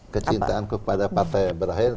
kecintaanku pada partai yang berakhir